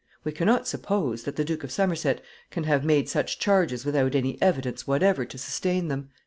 We can not suppose that the Duke of Somerset can have made such charges without any evidence whatever to sustain them."